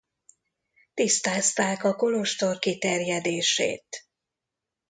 Tisztázták a kolostor kiterjedését.